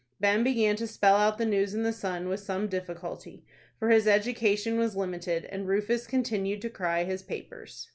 Ben began to spell out the news in the 'Sun,' with some difficulty, for his education was limited, and Rufus continued to cry his papers.